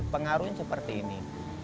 pengaruhnya seperti ini